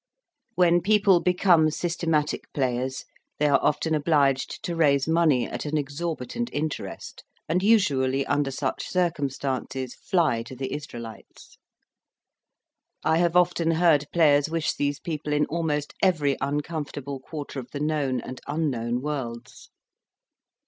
When people become systematic players, they are often obliged to raise money at an exorbitant interest, and usually under such circumstances fly to the Israelites. I have often heard players wish these people in almost every uncomfortable quarter of the known and unknown worlds.